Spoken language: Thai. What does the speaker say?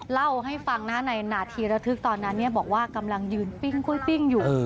เล่าให้ฟังนะในนาทีระทึกตอนนั้นบอกว่ากำลังยืนปิ้งกล้วยปิ้งอยู่